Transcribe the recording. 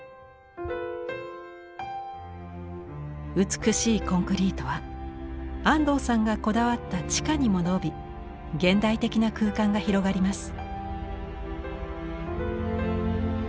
美しいコンクリートは安藤さんがこだわった地下にも延び現代的な空間が広がります。